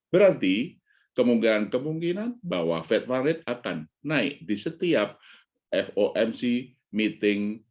berarti kemungkinan kemungkinan bahwa fed rate akan naik di setiap fomc meeting